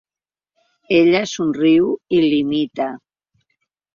Ella somriu i l'imita.